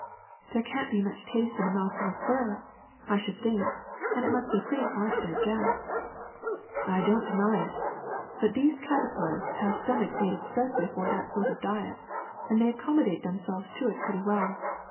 ''There can't be much taste in a mouthful of fur, I should think, and it must be pretty hard to digest.'^ I don't deny it, but those caterpillars have stomachs made expressly for that sort of diet, and they accommodate themselves to it very well.